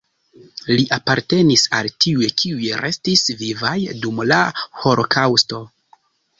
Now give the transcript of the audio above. Li apartenis al tiuj, kiuj restis vivaj dum la holokaŭsto.